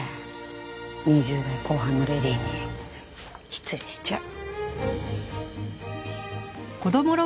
２０代後半のレディーに失礼しちゃう。